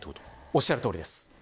おっしゃるとおりです。